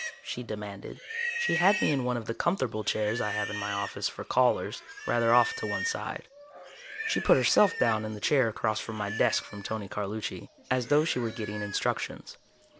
she demanded. She had me in one of the comfortable chairs I have in my office for callers, rather off to one side. She put herself down in the chair across my desk from Tony Carlucci, as though she were getting instructions.